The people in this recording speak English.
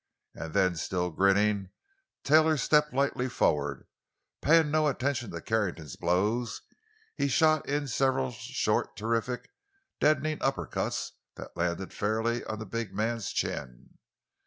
And then, still grinning, Taylor stepped lightly forward. Paying no attention to Carrington's blows, he shot in several short, terrific, deadening uppercuts that landed fairly on the big man's chin.